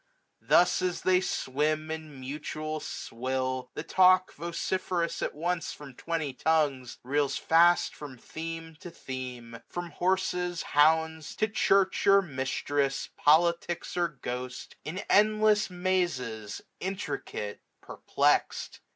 Thus as they swim in mutual swill, the talk. Vociferous at once from twenty tongues, 539 Reels fast from theme to theme ; from horses, hounds. To church or mistress, politics or ghost. In endless mazes, intricate, perplexed.